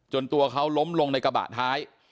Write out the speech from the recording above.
ตัวเขาล้มลงในกระบะท้าย